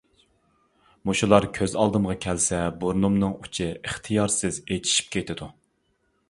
مۇشۇلار كۆز ئالدىمغا كەلسە بۇرنۇمنىڭ ئۇچى ئىختىيارسىز ئېچىشىپ كېتىدۇ!